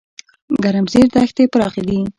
ګرمسیر دښتې پراخې دي؟